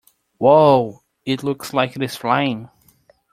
Wow! It looks like it is flying!